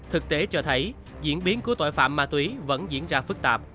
thực tế cho thấy diễn biến của tội phạm ma túy vẫn diễn ra phức tạp